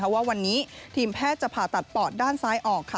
ว่าวันนี้ทีมแพทย์จะผ่าตัดปอดด้านซ้ายออก